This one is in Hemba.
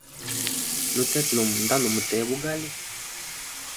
Lutete lumo nda lumutea bugali.